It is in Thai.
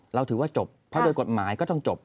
เราถือว่าจบเพราะโดยกฎหมายก็ต้องจบ